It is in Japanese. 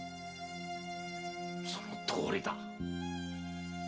そのとおりだ！